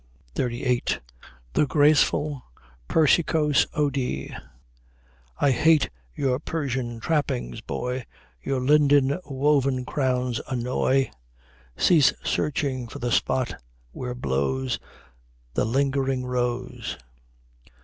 xxxviii) the graceful "Persicos odi": "I hate your Persian trappings, boy, Your linden woven crowns annoy, Cease searching for the spot where blows The lingering rose.